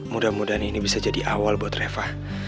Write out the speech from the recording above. mudah mudahan ini bisa jadi awal buat reva